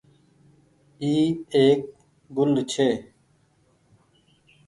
اي ايڪ گل ڇي۔